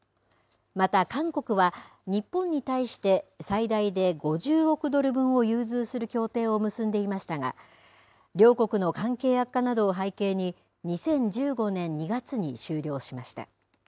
また韓国は日本に対して最大で５０億ドル分を融通する協定を結んでいましたが両国の関係悪化などを背景に２０１５年２月に終了しました。